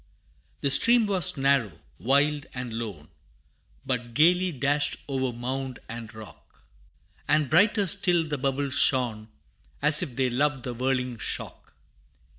The stream was narrow, wild and lone, But gayly dashed o'er mound and rock, And brighter still the bubbles shone, As if they loved the whirling shock.